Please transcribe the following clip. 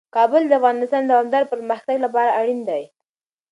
کابل د افغانستان د دوامداره پرمختګ لپاره اړین دي.